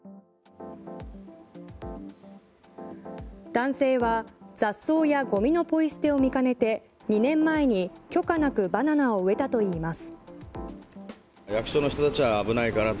男性は雑草やゴミのポイ捨てを見かねて２年前に許可なくバナナを植えたといいます。